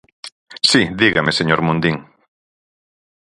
Si, dígame, señor Mundín.